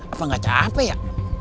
apa gak capek ya